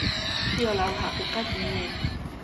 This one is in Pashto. خیال او حقیقت مې یې